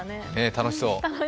楽しそう。